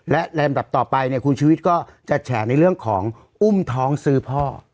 และลำดับต่อไปเนี่ยคุณชุวิตก็จะแฉในเรื่องของอุ้มท้องซื้อพ่อ